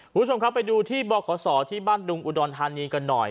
คุณผู้ชมครับไปดูที่บขศที่บ้านดุงอุดรธานีกันหน่อย